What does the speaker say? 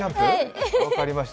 分かりました。